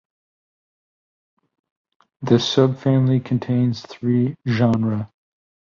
The subfamily contains three genera.